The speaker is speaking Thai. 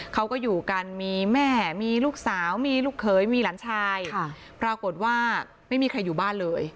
เขาก็อยู่กันมีแม่มีลูกสาวมีลูกเขยมีหลานชายปรากฏว่าไม่มีใครอยู่บ้านเลย